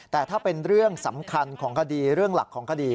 แต่ถ้าเป็นเรื่องสำคัญของคดีเรื่องหลักของคดี